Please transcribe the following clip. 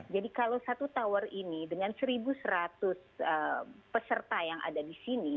jadi kalau satu tower ini dengan satu seratus peserta yang ada disini